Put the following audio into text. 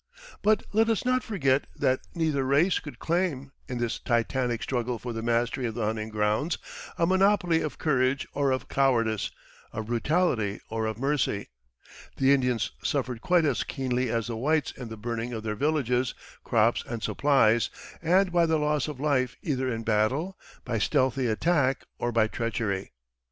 But let us not forget that neither race could claim, in this titanic struggle for the mastery of the hunting grounds, a monopoly of courage or of cowardice, of brutality or of mercy. The Indians suffered quite as keenly as the whites in the burning of their villages, crops, and supplies, and by the loss of life either in battle, by stealthy attack, or by treachery.